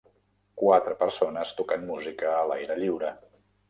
Quatre persones tocant música a l'aire lliure.